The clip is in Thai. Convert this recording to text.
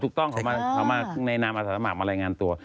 ถูกต้องเขามาในนามอาสาสมัครมารายงานตัว